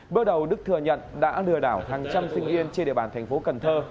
bước đầu đức thừa nhận đã lừa đảo hàng trăm sinh viên trên địa bàn thành phố cần thơ